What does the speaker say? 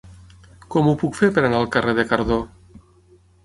Com ho puc fer per anar al carrer de Cardó?